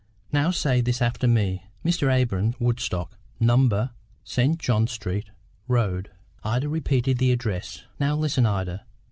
Now, say this after me: Mr. Abra'm Woodstock, Number , St. John Street Road." Ida repeated the address. "Now, listen, Ida.